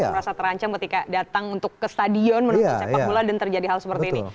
merasa terancam ketika datang untuk ke stadion menuju sepak bola dan terjadi hal seperti ini